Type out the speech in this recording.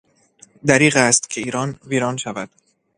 دریغ است که ایران ویران شود